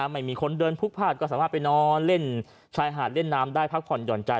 ไม่มีคนเดินพลุกพลาดก็สามารถไปนอนเล่นชายหาดเล่นน้ำได้พักผ่อนหย่อนใจ